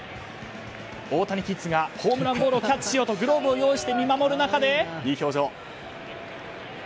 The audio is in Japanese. オオタニキッズがホームランボールをキャッチしようとグローブを用意して見守る中で。